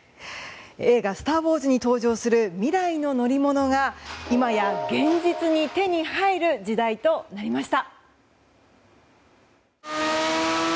映画「スター・ウォーズ」に登場する未来の乗り物が今や現実に手に入る時代となりました。